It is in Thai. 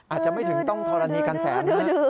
อาจจะไม่ถึงต้องธรณีกันแสนนะ